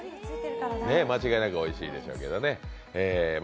間違いなくおいしいでしょうけどね。